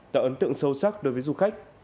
tạo ấn tượng sâu sắc đối với du khách